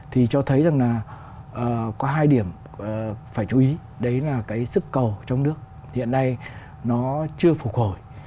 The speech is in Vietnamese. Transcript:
thì cho thấy rằng là có hai điểm phải chú ý đấy là cái sức cầu trong nước hiện nay nó chưa phục hồi